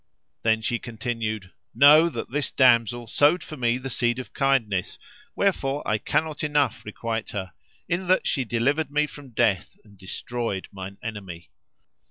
Then she continued, "Know that this damsel sowed for me the seed of kindness, wherefor I cannot enough requite her, in that she delivered me from death and destroyed mine enemy.